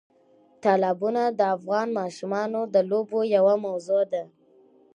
تالابونه د افغان ماشومانو د لوبو یوه موضوع ده.